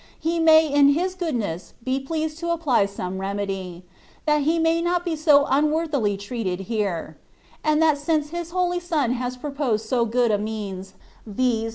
He may in His Goodness be pleased to apply some remedy, that He may not be so unworthily treated here ; and that since His Holy Son has proposed so good a means, viz.